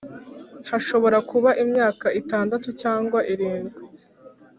hashobora kuba imyaka itandatu cyangwa irindwi,